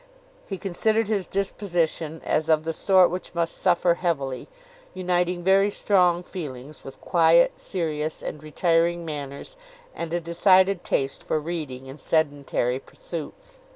He considered his disposition as of the sort which must suffer heavily, uniting very strong feelings with quiet, serious, and retiring manners, and a decided taste for reading, and sedentary pursuits.